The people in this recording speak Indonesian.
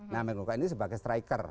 nah menko polhukam ini sebagai striker